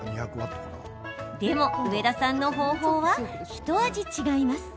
でも、上田さんの方法はひと味違います。